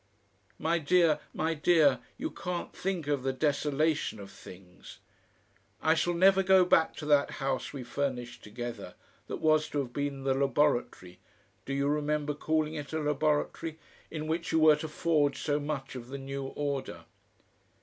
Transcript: "My dear, my dear, you can't think of the desolation of things I shall never go back to that house we furnished together, that was to have been the laboratory (do you remember calling it a laboratory?) in which you were to forge so much of the new order....